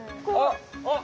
あっ！